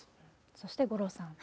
そして五郎さん。